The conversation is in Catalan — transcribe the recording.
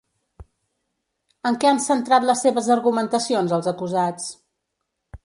En què han centrat les seves argumentacions els acusats?